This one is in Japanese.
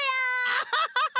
アハハハ！